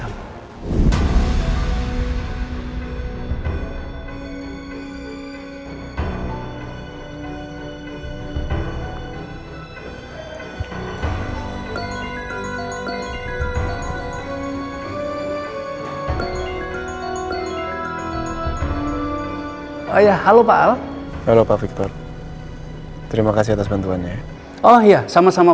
oh ya halo pak al halofa victor terima kasih atas bantuannya oh ya sama sama